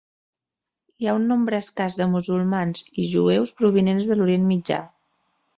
Hi ha un nombre escàs de musulmans i jueus provinents de l'Orient Mitjà.